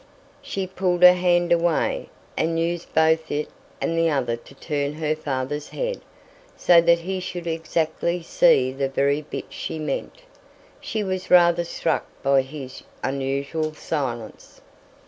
She pulled her hand away, and used both it and the other to turn her father's head, so that he should exactly see the very bit she meant. She was rather struck by his unusual silence.